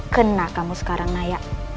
kena kamu sekarang naya